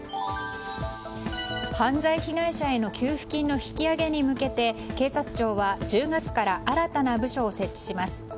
犯罪被害者への給付金の引き上げに向けて警察庁は１０月から新たな部署を設置します。